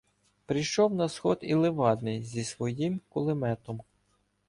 Прийшов на сход і Левадний зі своїм кулеметом.